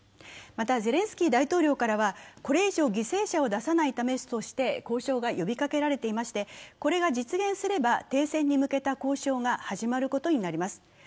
またゼレンスキー大統領からはこれ以上犠牲者を出さないためとして交渉が呼びかけられていまして、これが実現すれば停戦に向けた交渉が始まることになります。